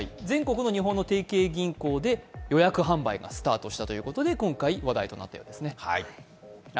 全国の日本の提携銀行で予約販売がスタートしたということで今回、話題となっています。